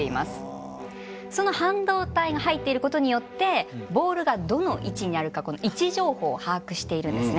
その半導体が入っていることによってボールがどの位置にあるかこの位置情報を把握しているんですね。